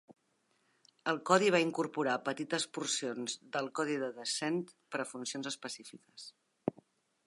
El codi va incorporar petites porcions del codi de "Descent" per a funcions específiques.